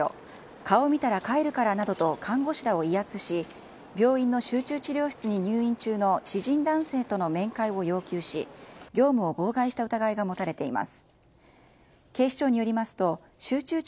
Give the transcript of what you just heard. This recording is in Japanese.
顔見たら帰るからなどと看護師らを威圧し病院の集中治療室に入院中の知人男性との面会を要求し業務を妨害した疑いが持たれています。